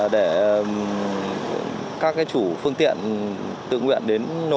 để các chủ phương tiện tự nguyện đến